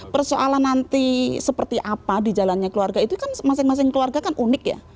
persoalan nanti seperti apa di jalannya keluarga itu kan masing masing keluarga kan unik ya